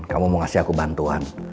kamu mau kasih aku bantuan